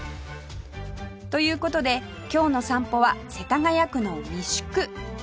という事で今日の散歩は世田谷区の三宿